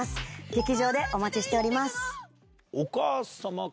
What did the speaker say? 劇場でお待ちしております。